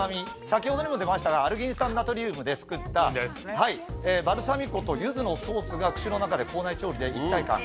先ほどにも出ましたがアルギン酸ナトリウムで作ったバルサミコとゆずのソースが口の中で口内調理で一体感。